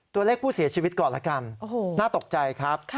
ตัวเลขผู้เสียชีวิตก่อนละกันน่าตกใจครับ